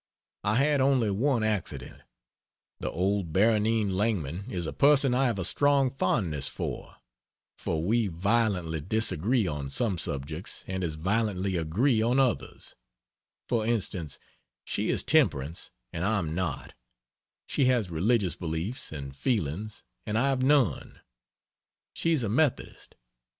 I had only one accident. The old Baronin Langeman is a person I have a strong fondness for, for we violently disagree on some subjects and as violently agree on others for instance, she is temperance and I am not: she has religious beliefs and feelings and I have none; (she's a Methodist!)